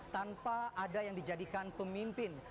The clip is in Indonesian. tanpa ada yang dijadikan pemimpin